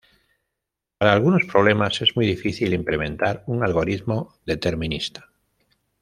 Para algunos problemas es muy difícil implementar un algoritmo determinista.